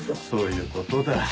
そういうことだ。